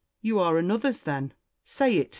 ' You are another's then ! Say it !